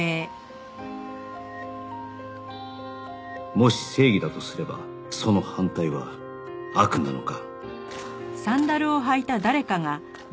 もし正義だとすればその反対は悪なのか